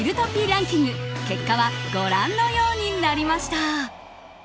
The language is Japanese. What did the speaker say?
ランキング結果はご覧のようになりました。